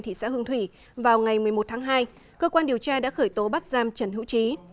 thị xã hương thủy vào ngày một mươi một tháng hai cơ quan điều tra đã khởi tố bắt giam trần hữu trí